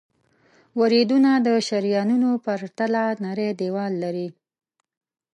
وریدونه د شریانونو په پرتله نری دیوال لري.